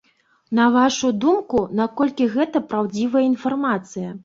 На вашу думку, наколькі гэта праўдзівая інфармацыя?